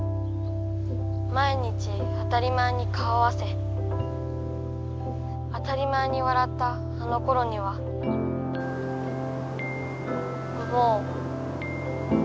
「毎日当たり前に顔を合わせ当たり前にわらったあのころにはもう」。